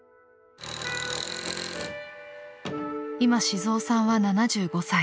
［今静雄さんは７５歳］